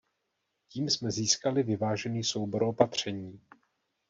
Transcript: Tím jsme získali vyvážený soubor opatření.